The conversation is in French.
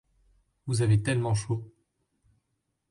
Vous avez tellement chaud.